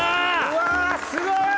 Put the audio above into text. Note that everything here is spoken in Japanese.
うわすごい！